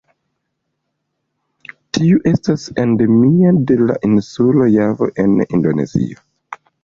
Tiu estas endemia de la insulo Javo en Indonezio.